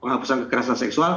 penghapusan kekerasan seksual